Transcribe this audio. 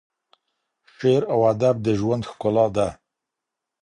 شعر او ادب د ژوند ښکلا ده.